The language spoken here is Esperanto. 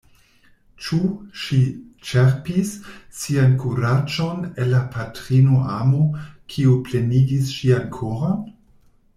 Ĉu ŝi ĉerpis sian kuraĝon el la patrina amo, kiu plenigis ŝian koron?